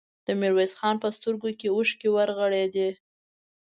د ميرويس خان په سترګو کې اوښکې ورغړېدې.